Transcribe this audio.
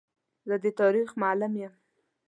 زه د تاریخ معلم یم.